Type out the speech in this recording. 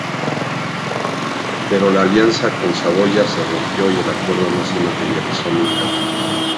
Pero la alianza con Saboya se rompió y el acuerdo no se materializó nunca.